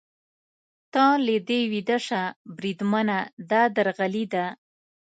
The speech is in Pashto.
ته له دې ویده شه، بریدمنه، دا درغلي ده.